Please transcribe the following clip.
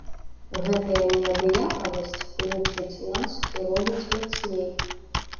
Гэтая неабыякавасць лучыць нас і робіць мацней.